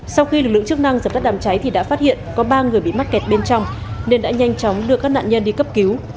sau khi lực lượng chức năng dập tắt đám cháy thì đã phát hiện có ba người bị mắc kẹt bên trong nên đã nhanh chóng đưa các nạn nhân đi cấp cứu